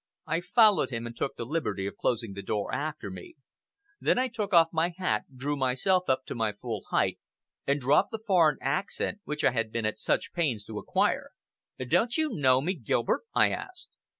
I followed him and took the liberty of closing the door after me. Then I took off my hat, drew myself up to my full height, and dropped the foreign accent which I had been at so much pains to acquire. "Don't you know me, Gilbert?" I asked.